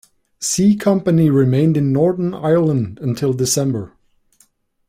C Company remained in Northern Ireland until December.